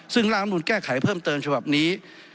ซึ่งร่างอำนูลแก้ไขเพิ่มเติมฉบับนี้